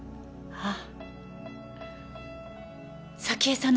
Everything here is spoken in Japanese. ああ。